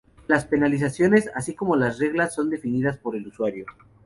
Las penalizaciones, así como las reglas, son definidas por el usuario.